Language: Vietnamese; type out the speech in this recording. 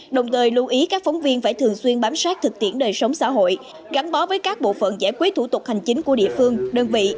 đồng thời lưu ý các phóng viên phải thường xuyên bám sát thực tiễn đời sống xã hội gắn bó với các bộ phận giải quyết thủ tục hành chính của địa phương đơn vị